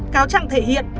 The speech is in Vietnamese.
cáo trạng thể hiện